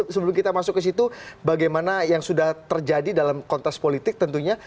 sebelum kita masuk ke situ bagaimana yang sudah terjadi dalam kontes politik tentunya